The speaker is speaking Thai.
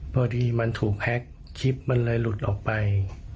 พอดีมันถูกแฮ็กคลิปมันเลยหลุดออกไป